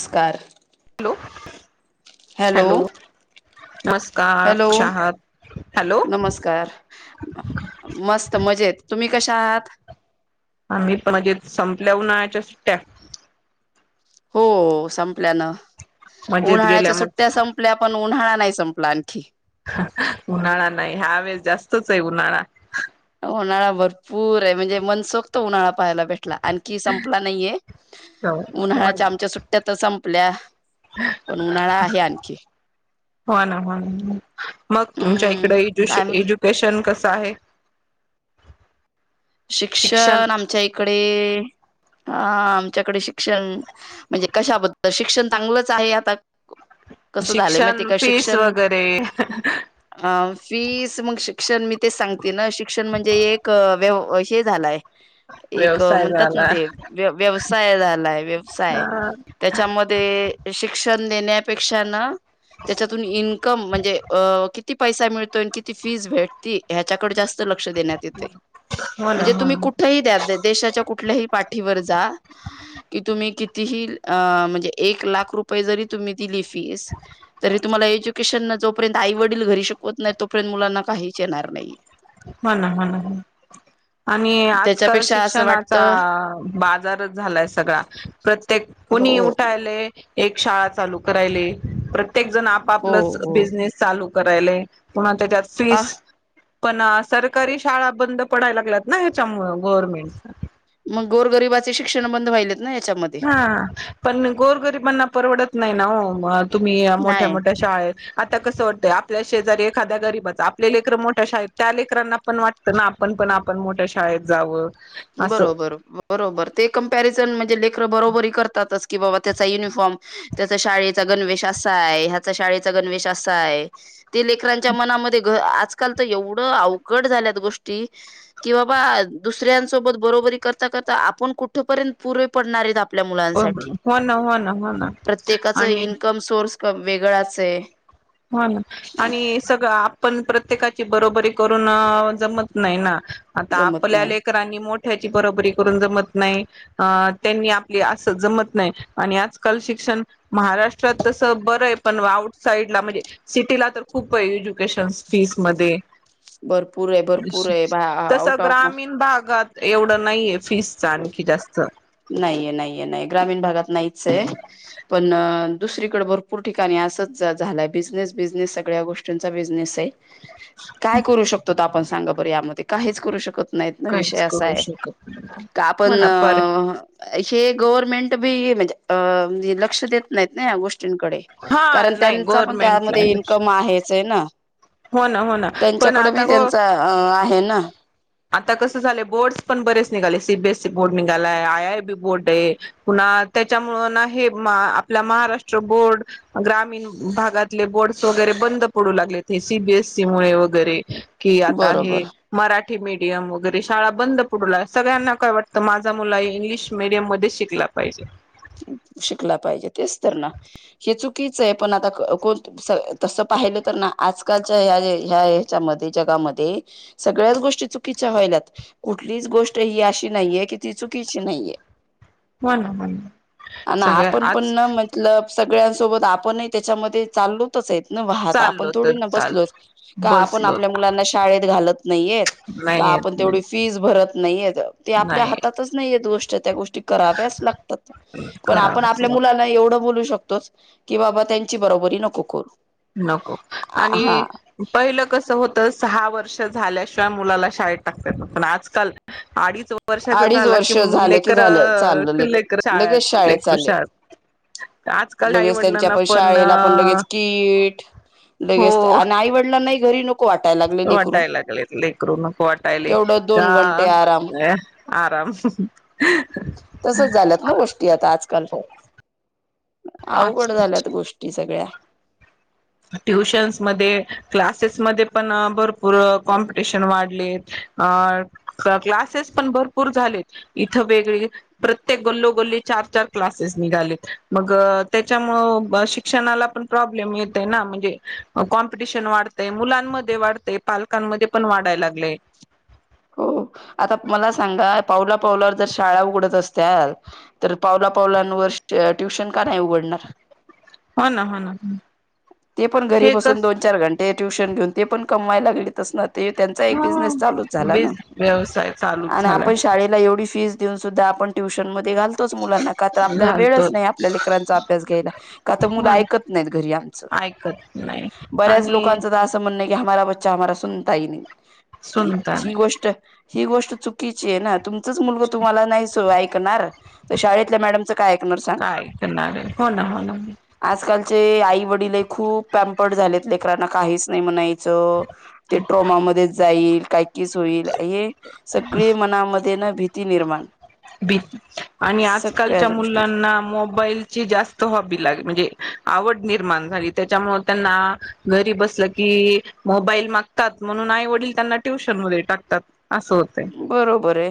नमस्कार hello hello, नमस्कार hello चहात हॅलो नमस्कार मस्त मजेत तुम्ही कशा आहात? आम्ही पण मजेत, संपल्या उन्हाळा च्या सुट्ट्या? हो संपल्यान मजेत उन्हाळ्याच्या गेल्या सुट्ट्या मग संपल्या पण उन्हाळ्या नाही संपला आणखी उन्हाळा नाही हा वेळेस जास्तच आहे उन्हाळा उन्हाळा भरपूर आहे म्हणजे मनसोक्त उन्हाळा पाहायला भेटतो आणखी संप नाहीये हो उन्हाळ्याच्या आमच्या सुट्ट्या तर संपला तुला हो ना हो मग तुमच्या हम्म इकडे एजुशे काय म्हणत एजुकेशन कस आहे शिक्षण आमच्या इकडे हा आमच्याकडे शिक्षण म्हणजे कशाबद्दल शिक्षण चांगलंच आहे आता कस झालंय म ते शिक्षण का फीस शिक्षण वगैरे अ फीस मग शिक्षण मी ते सांगते ना शिक्षण म्हणजे एक व्यव व हे झालाय एक व्यवसाय म्हणतात ना झाला ते व व्यवसाय झालाय व्यवसाय त्याच्यामध्ये शिक्षण शिक्षण देण्यापेक्षा ना त्याच्यातून इन्कम म्हणजे कि किती पैसा मिळतो आणि किती फीज भेटते ह्याच्याकडे जास्त लक्ष देण्यात येतय हो ना म्हणजे हो तुम्ही ना कुठेही द्या देशाच्या कुठल्याही पाठीवर जा तुम्ही कितीही म्हणजे एक लाख रुपये जरी तुम्ही दिली फीस तरी तुम्हाला एज्युकेशन जोपर्यंत आईवडील घरी शिकवत नाही तोपर्यंत मुलांना काहीच येणार नाही हो ना हो ना ह आणि आजकाल त्याच्यापेक्षा असं शिक्षणाचा वाटतं बाजारच झालाय सगळा प्रत्येक हो कोणी उठायले एक शाळा चालू करायले. प्रत्येक जण हो आपापलंच हो बिझनेस चालू करायलय पण त्याच्यात पा फीस पण सरकारी शाळा बंद पडायला लागल्यात ना हच्यामुळ गव्हर्नमेंट मग गोरगरिबाचे शिक्षण बंद व्हायलेत. ना याच्यामध्ये हा पण गोरगरिबांना परवडत नाही. ना हो मुळात तुम्ही मोठ्या नाही मोठ्या शाळेत आता कसं वाटतय आपल्या शेजारी एखाद्या गरीबाच आपले लेकर मोठ्या शाळेत त्या लेकरांना पण वाटतं ना आपण पण आपण मोठ्या शाळेत जावं. असं बरोबर बरोबर ते कंपॅरिझन म्हणजे ले कर बरोबरी करतातच कि बाबा त्याचा युनिफॉर्म त्याचा शाळेत चा गणवेश असा आहे ह्याचा शाळेचा गणवेश असा आहे. ते लेकरांच्या मनामध्ये घर आ आजकाल तर एवढ अवघड झाल्यात गोष्टी की बाबा दुसऱ्यांच बरोबरी करता करता आपण कुठपर्यंत पुरे पडणारेत आप आपल्या मुलांसाठी हो ना हो ना हो ना प्रत्येकाच आणि इन्कम सोर्स वेगळाचे. हो ना आणि सगळं आप पण प्रत्येकाची बरोबरी करून जमत नाही ना. आता जमत आपल्या नाही लेकरांनी मोठ त्याची बरोबरी करून जमत नाही, अ त्यांनी आपली अस जमत नाही आणि आजकाल शिक्षण महाराष्ट्रात तस बरंय पण आउटसाईट म्हणजे सिटीला तर खूप एज्युकेशन फीस मध्ये भरपूरे भरपूरे बा तसं आउट ऑफ ग्रामीण भागात एवढं नाहीये. फीस आणखी जास्त नाहीये, नाहीये नाही ग्रामीण भागात नाहीत. चय पण दुसरीकडे भरपूर ठिकाणी असच झालाय बिझनेस बिझनेस सगळ्या गोष्टींचा बिझनेसे. काय करू शकतोत आपण सांगा बर यामध्ये काहीच करू शकत नाहीत ना विषय काहीच करू असाये शकत नाही का आपण हो ना पर हे गव्हर्नमेंट बी म्हणजे अ लक्ष देत नाहीत ना या गोष्टी कडे हा कारण नाही त्यांचापण त्यामध्ये गव्हर्मेंटला इन्कम आहे. च आहे ना हो ना हो ना पण त्यांच्याकडे आता बी ग त्यांचा अ आहे ना आता कसं झाले बोर्डस पण बरेच निघाले. सीबीएससी बोर्ड निघालाय, आय आय बी बोर्ड आहे पुन्हा त्याच्यामुळं ना हे आपला महाराष्ट्र बोर्ड, ग्रामीण भागातले बोर्डस वगैरे बंद पडू लागले. ते सीबीएससी मुळे वगैरे कि आता बरोबर हे मराठी मीडियम वगैरे शाळा बंद पुढला सगळ्यांना काय वाटतं माझा मुला इंग्लिश मिडियममध्ये शिकला पाहिजे. शिकला पाहिजे तेच तर ना. हे चुकीचं आहे, पण आता कोण तसं पाहिलं तर ना आजकालच्या ह ह्या हेच्यामध्ये जगामध्ये सगळ्याच गोष्टी चुकीच्या व्हायल्यात. कुठलीच गोष्ट ही अशी नाहीये कि ती चुकीची नाहीये. हो ना, हो ना. आणि सगळ्या आपण पण आज ना मतलब सगळ्यांसोबत आपण त्याच्यामध्ये चालोतच आहेत. न वाहता आपण चाललो थोडी तर न चाल बसलोच. का आपण बसलो आपल्या मुलांना शाळेत घालत नाहीयेत का नाही आपण येत तेवढी फीस भरत नाहीयेत. ते आपल्या नाही हातातच नाही गोष्ट त्या, त्या गोष्टी कराव्याच लागतात. पण आपण करावच आपल्या लागत. मुलांना एवढं बोलू तोच की बाबा त्यांची बरोबरी नको करू. नको आणि हा पहिलं कसं होत सहा वर्ष झाल्याशिवाय मुलाला शाळेत टाकतात, पण आज काल अडीच दोन वर्षाचा अडीच झाला कि, वर्ष झालं की लेकर झालं चाललं कि लेकरू लेकर लगेच शाळात शाळेत लेकरु चालले शाळेत आजकाल लगेच त्यांच्या आईवडलांना पण शाळेला लगेच किट लगेच ते अन आई-वडिलांना ही घरी नको वाटायला लागले नको लेकरू वाटाय लागलेत लेकरू नको वाटायली तेवढं का दोन घंटे आराम आराम तसच झाल्यात ना गोष्टी आता. काल आज अवघड झाल्यात गोष्टी सगळ्या. ट्युशन्समध्ये, क्लासेसमध्ये पण भरपूर कॉम्पिटिशन वाढलेत, अ क क्लासेस पण भरपूर झालेत, इथं वेगळे प्रत्येक गल्लोगल्ली चार, चार क्लासेस निघालेत, मग त्याच्यामुंळ शिक्षणाला पण प्रॉब्लेम येत ना म्हणजे कॉमपिटिशन वाढतंय, मुलांमध्ये वाढतंय, पालकांमध्ये पण वाढाय लागलेय. हो आता मला सांगा पावला पावलावर जर शाळा उघडत असत्याल, तर पावला पावलांवर ट्यु ट्युशन का नाही उघडणार. हो ना, हो ना. ते पण घरी हे बसून कस दोन चार घंटे ट्यूशन घेऊन ते पण कमवायला लागले त ना. त्यांचा एक हा बिझनेस चालूच झाला ना बिज व्यवसाय चालूच आणि आपण झालाय शाळेला एवढी फीज ऊन सुद्धा आपण ट्युशन मध घालतोच मुलांना का तर आपल्याला वेळच घालतो नाही, आपल्या लेकरांचा अभ्यास घ्यायला, का तर मुलं ऐकत नाहीत घरी आमच. त नाही आणि नाही हमारा [inaudible] ही नाही ह सुनता ही नाही गोष्ट ही गोष्ट चुकीची आहे ना तुम तुमला मुल तुम्हाला सु नाही ऐकणार तर शाळेतल्या मॅडमच काय करणार हो ना हो ना. चे आई वडील आहेत खूप पॅम्पर्ड झालेत लेकरांना काहीच नाही म्हणा येत. च ट्रोमामध्ये जाईल कीस होईल हे सगळे मनामध्ये न भीती निर्माण बी आणि आजकालच्या सगळ्याच गोष्टीची मुलांना मोबाईलची जास्त, हॉबी लाग म्हणजे आवड निर्माण झाली त्याच्यामुळे त्यांना घरी बसलं की, मोबाईल मागतात, म्हणून आई वडील त्यांना ट्युशन म टाकतात. असं होतंय बरोबर आहे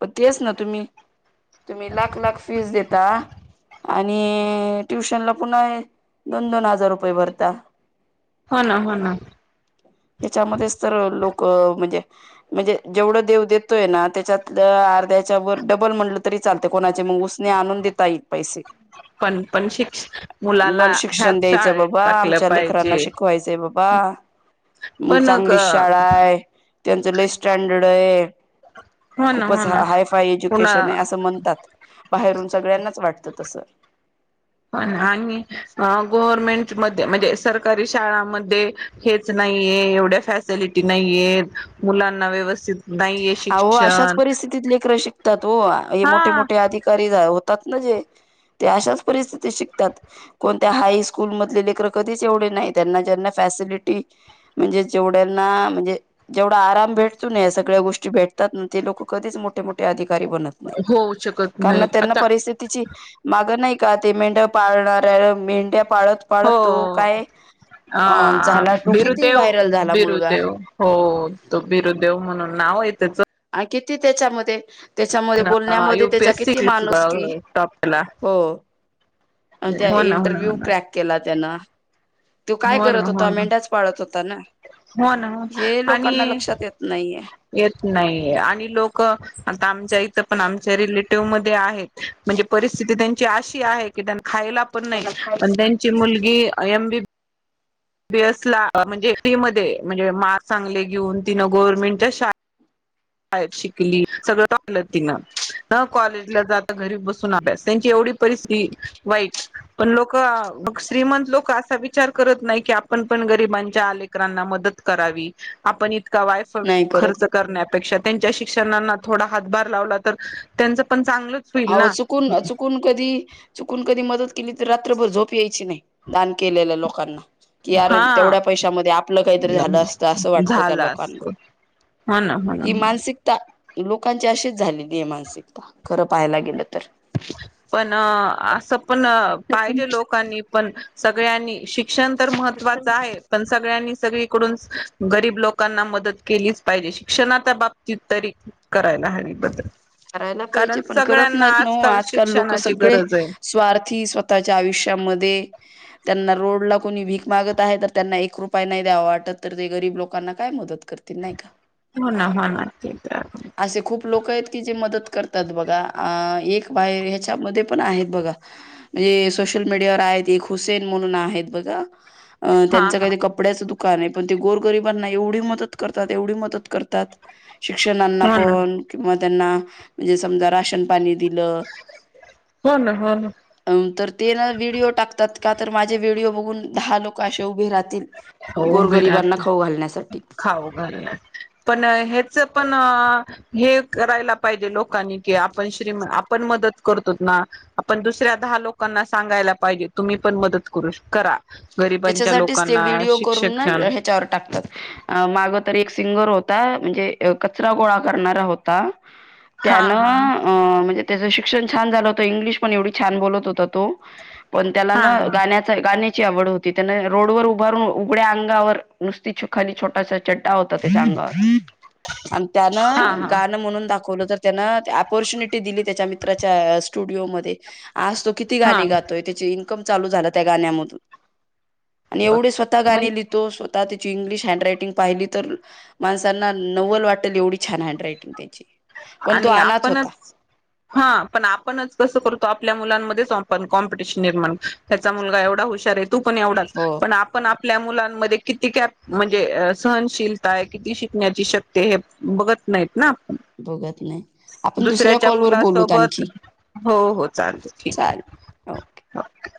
पण तेच न तुम्ही तुम्ही लाख लाख फीज देता आणि ट्युशनला पुन्हा दोन दोन हजार रुपये भरता. हो ना हो ना. हच्यामध्येच तर लोक क म्हणजे म्हणजे जेवढं देव देतोय ना त्याच्यातल अर्ध्याच्या वर डबल म्हणलं तरी चालत कोणा मग ऊसने आणून देता येईल पैसे पण पण शिक्ष मुलाला पण शिक्षण ह्याच द्यायचं शाळेत बाबा टाकलं आमच्या लेकरांना पाहिजे शिकवायचंय बा बा म पण चांगलीच शाळा आहे त्यांच लई स्टँडर्ड आहे हो ना हो खूपच ना हाय फाय एज्युकेशन पुन्हा आहे असं म्हणतात बाहेरून सगळ्यांनाच वाटतं तसं. [unintelligible] आणि गव्हर्मेंट मधे म्हणजे सरकारी शाळामध्ये हेच नाहीये, एवढ्या फॅसलिटी नाहीयेत, मुलांना व्यवस्थित नाहीये अहो अशाच शिक्षण परिस्थितीत लेकर शिकतात हो, हे हा मोठे मोठे अधिकारी जा होत तात ना जे ते अशाच परिस्थितीत शिकतात, कोणत्या हाय स्कूल मधली लेकरं कधीच एवढ नाही त्यांना ज्यांना फॅसिलिटी म्हणजे जेवढ्याना म्हणजे जेवढा आराम भेटतो ना या सग सगळ्या गोष्टी भेटतात ना ते लोक कधीच मोठे मोठे ते अधिकारी बनत नाही, होऊ शकत कारण नाही त्यांना आता परिस्थितीची माग नाही का, ते मेंढ पाळणाऱ्या मेंढ्या पाळत पाळत हो तो काय अ झाला तो किती व्हायरल झाला मुलगा बिरुदेव-बिरुदेव हो तो बिरु देव म्हणून नाव आहे त्याच आणि किती त्याच्यामध्ये त्याच्यामध्ये बोलण्यामध्ये त्याच्या युपीएससी किती माणूसकी, टॉपला हो. आणि त्या हो ना हो ना इंटरव्ह्यू हो ना क्रॅक केलात. त्यांन त्यो काय हो ना करत हो होता, ना हो मेंढाच पाळत होता न. हो ना आणि येत नाहीये येत नाही. हे आणि लोक आता आमच्या इथं पण आमच्या रिलेटिव्ह मध्ये आहेत. म्हणजे परिस्थिती त्यांची अश की आहे कि टन खायला पण नाही त्यांना काहीच पण त्यांची मुलगी बी, अ एम. बि. बी. एस. ला म्हणजे फी मध्ये म्हणजे मार्क चांगले घेऊन, तिनं गव्हर्नमेंटच्या शा शाळेत शिकली, सगळ टॉकल तिन कॉलेजला जात घरी बसून अभ्यास त्यांची एवढी परिस्थिती वाईट, पण लोक अ बक श्रीमंत लोक असा विचार करत नाही. की आपण पण गरीबांच्या लेकरांना मदत करावी आपण इ का वायफळ नाही करत खर्च करण्यात पेक्षा त्यांच्या शिक्षणांना थोडा हातभार लावला तर त्यांच पण चांगलंच होईल अवो, ना चुकून-चुकून कधी चुकून कधी मदत केली तर, रात्रभर झोप यायची नाही दान केलेल्या लोकांना. कि यार हा तेवढ्या पैशामध्ये आपलं काहीतरी झालं असतं असं वाटतं त्या झालं लोकांना, असत हो ना हो हि ना हो मानसिकता. लोकांची अशीच झालेली आहे मानसिकता, खरब. पाहायला गेलं तर, पण असं पण तर पाहिजे लोकांनी पण सगळ्यांनी शिक शिक्षण तर महत्त्वाचं आहे पण सगळ्यांनी. सगळीकडून गरीब लोकांना मदत केलीच पाहिजे, शिक्षणाच्या बाबतीत तरी करायला हवी बदल. करायला कारण पाहिजे पण करत सगळ्यांना नाहीत ना हो आजकाल लोक शिक्षणाची सगळे गरज आहे स्वार्थी स्वतःच्या आयुष्यामध्ये. त्यांना रोड ला कोणी भीक मागत आहे, तर त्यांना एक रुपय नाही द्यावा वाटत, तर ते गरीब लोकांना काय मदत करतील नाही का? हो-ना हो- ना ते तर आहे. लोकयत. ती जे मदत करतात बघा आ एक बाई ह्याच्यामध्ये पण आहेत बघा म्हणजे सोशल मीडियावर आहेत एक हुसेन म्हणून आहेत बघा अ हा त्यांंच काय हा ते कपड्याचं दुक दुकानय पण ते गोरगरिबांना एवढी मदत करतात एवढी मदत करतात. शिक्षणांना हो ना पण किंवा त्यांना म्हणजे समजा राशन पाणी दिलं हो ना हो ना अ तर ते ना व्हिडिओ टाकतात. का तर माझे व्हिडिओ बघून दहा लोक असे उभे राहतील. हो उभे गोरगरिबांना खाऊ घालण्यासाठी. राहते खाऊ घाल पण हेच पण हे करायला पाहिजे लोकांनी कि आपण श्रीम आपण मदत करतोत ना आपण दुसऱ्या दहा लोकांना सांगायला पाहिजे तुम्ही पण मदत करू शक करा. गरिबांच्या लोकांना त्याच्यासाठीच ते व्हिडिओ करून ना शिक्षण हेच्यावर टाकतात मागं तर एक क सिंगर होता म्हणजे कचरा गोळा करणारा होता. हा त्यानं हा अ म्हणजे त्याचं शिक्षण छान झालं होतं इंग्लिश पण एवढी छान बोलत होता त तो पण त्याला हा ना गाण्याचा गाण्या ची आवड होत ती त्यानं रोड वर उभारू उघड्या अंगावर नुसती खाली छोटासा चड्डा होता त्याच्या अंगावर. आणि हा त्यानं हा गाणं म्हणून दा खवलं तर त्यांनं ऑपॉर्च्युनिटी दिली त्याच्या मित्राच्या अ स्टुडिओमध्ये. आज तो किती हा गाणी गातोय त्याची कम चालू झालं त्या गाण्यामधून. आणि एवढे स्वतः बर गाणे लिहितो स्व आता त्याची इंग्लिश हँड रायटिंग पाहिली तर, माणसांना नवल वाटेल एवढी छान हँड रायटिंग त्याची. पण तो आणि अनाथ होता आपणच हा पण आपणच कसं करतो आपल्या मुलांमध्ये ह पण कॉम्पिटिशन [inaudible] त्याचा मुलगा एवढा हुशार आहे तू पण एवढाच हो पण आपण आपल्या मुलांमध्ये किती कॅप म्हणजे सहनशीलता आहे किती शिकण्याची शक्ती हे बघत नाहीत ना. बघत नाही आपण दुसऱ्या दुसऱ्याच्या कॉलवर बोलूत मुलासोबत, आणखी हो हो चालते ठीक चालेल हो आहे.